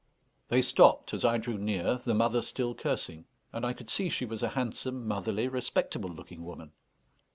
They stopped as I drew near, the mother still cursing; and I could see she was a handsome, motherly, respectable looking woman.